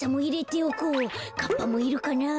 かっぱもいるかなあ。